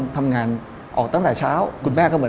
ข้าอยากสู้